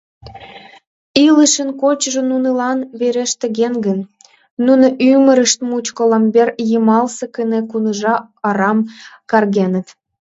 Илышын кочыжо нунылан верештеден гын, нуно ӱмырышт мучко ломбер йымалсе кыне куныжа орам каргеныт.